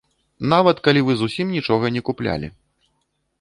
Нават калі вы зусім нічога не куплялі.